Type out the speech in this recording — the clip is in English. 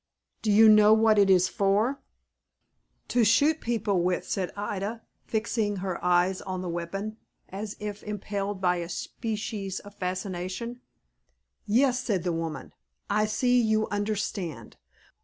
"Do you know what it is for?" "To shoot people with," said Ida, fixing her eyes on the weapon, as if impelled by a species of fascination. "Yes," said the woman; "I see you understand.